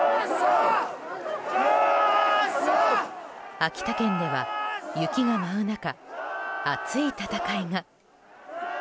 秋田県では雪が舞う中熱い戦いが。